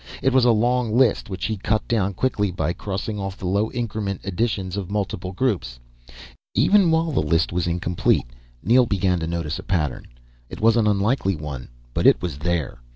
It was a long list which he cut down quickly by crossing off the low increment additions and multiple groups. Even while the list was incomplete, Neel began to notice a pattern. It was an unlikely one, but it was there.